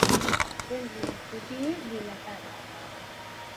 Tens les pupil·les dilatades.